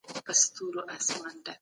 د انسان فطري ازادي يو مهم بحث دی.